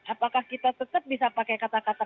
apakah kita tetap bisa pakai kata kata